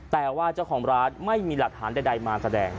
แต่ว่าเจ้าของร้านไม่มีหลักฐานใดมาแสดง